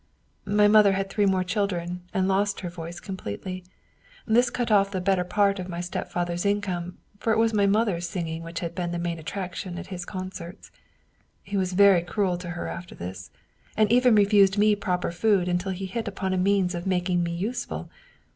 " My mother had three more children and lost her voice completely. This cut off the better part of my stepfather's income, for it was my mother's singing which had been the main attraction at his concerts. He was very cruel to her after this, and even refused me proper food until he hit upon a means of making me useful.